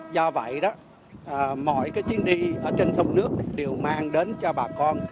do vậy đó mọi cái chiến đi trên sông nước đều mang đến cho bà con